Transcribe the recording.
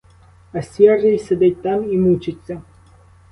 А сірий сидить там і мучиться.